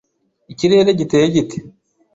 Ikirere giteye gite?